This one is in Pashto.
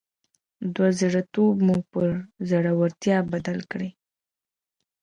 دوه زړي توب مو پر زړورتيا بدل کړئ.